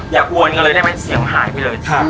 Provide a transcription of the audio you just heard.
อวนกันเลยได้ไหมเสียงหายไปเลย